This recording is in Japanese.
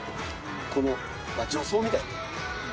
この助走みたいな。